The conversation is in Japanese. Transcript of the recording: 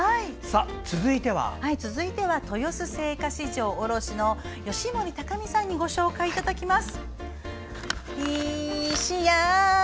続いては豊洲青果市場卸の吉守隆美さんにご紹介いただきます。